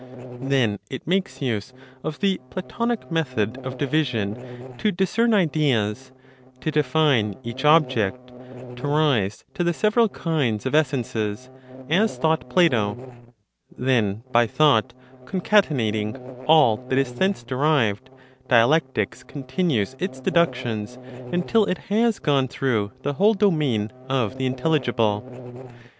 Then it makes use of the Platonic method of division to discern ideas, to define each object, to rise to the several kinds of essences (as thought Plato); then, by thought concatenating all that is thence derived, dialectics continues its deductions until it has gone through the whole domain of the intelligible.